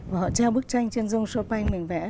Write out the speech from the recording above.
và họ treo bức tranh trên rung chopin mình vẽ